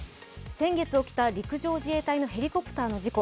先月起きた陸上自衛隊のヘリコプターの事故。